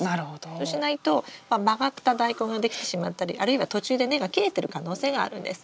そうしないと曲がったダイコンができてしまったりあるいは途中で根が切れてる可能性があるんです。